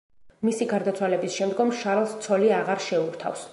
მისი გარდაცვალების შემდგომ შარლს ცოლი აღარ შეურთავს.